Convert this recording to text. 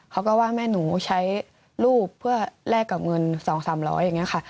เขาก็ว่าแม่หนูใช้รูปเพื่อแลกกับเงิน๒๓๐๐อย่างนี้ค่ะ